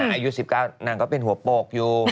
อายุ๑๙นางก็เป็นหัวโปกอยู่